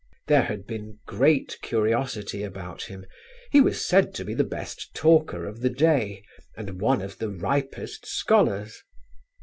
There had been great curiosity about him; he was said to be the best talker of the day, and one of the ripest scholars.